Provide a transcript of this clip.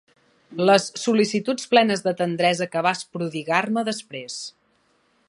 Les sol·licituds plenes de tendresa que vas prodigar-me després.